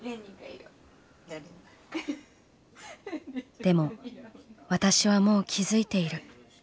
「でも私はもう気付いている。